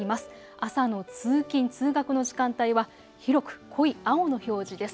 朝の通勤通学の時間帯は広く濃い青の表示です。